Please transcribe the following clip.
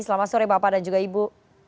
selamat sore bapak dan juga ibu